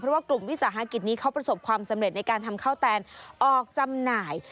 เพราะว่ากลุ่มวิสาหกิจนี้เขาประสบความสำเร็จในการทำข้าวแตนออกจำหน่าย